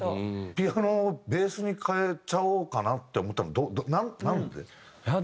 ピアノをベースに変えちゃおうかなって思ったのなんで？